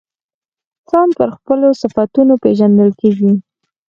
انسان پر خپلو صفتونو پیژندل کیږي.